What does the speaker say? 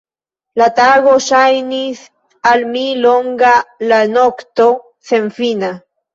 La tago ŝajnis al mi longa; la nokto, senfina.